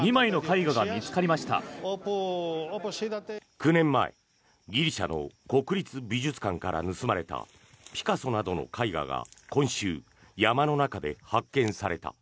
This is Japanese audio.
９年前、ギリシャの国立美術館から盗まれたピカソなどの絵画が今週、山の中で発見された。